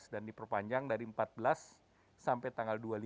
dan diperpanjang dari empat belas sampai tanggal dua puluh lima